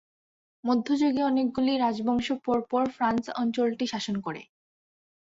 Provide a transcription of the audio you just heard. মধ্যযুগে অনেকগুলি রাজবংশ পরপর ফ্রান্স অঞ্চলটি শাসন করে।